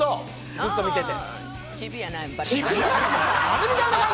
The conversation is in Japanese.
ずっと見てて。